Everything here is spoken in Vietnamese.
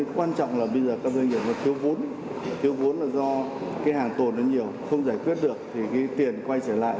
quan trọng là bây giờ các doanh nghiệp thiếu vốn thiếu vốn là do cái hàng tồn nó nhiều không giải quyết được thì cái tiền quay trở lại